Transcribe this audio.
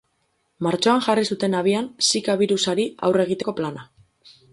Martxoan jarri zuten abian zika birusari aurre egiteko plana.